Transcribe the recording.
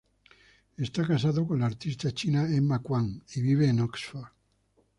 Está casado con la artista china Emma Kwan, y vive en Oxford.